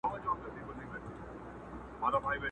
د طاقت له تنستې یې زړه اودلی٫